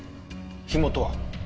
火元は？